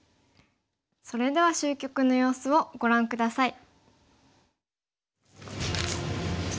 それでは終局の様子をご覧下さい。